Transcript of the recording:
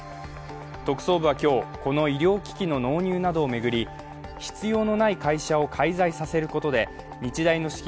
特捜部は今日、この医療危機の納入などを巡り、必要のない会社を介在させることで日大の資金